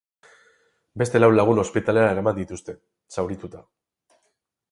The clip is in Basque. Beste lau lagun ospitalera eraman dituzte, zaurituta.